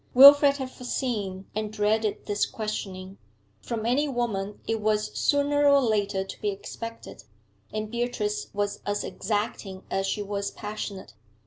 Wilfrid had foreseen and dreaded this questioning. From any woman it was sooner or later to be expected, and Beatrice was as exacting as she was passionate.